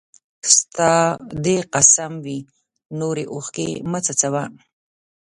ستا! دي قسم وي نوري اوښکي مه څڅوه